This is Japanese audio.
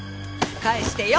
返してよ！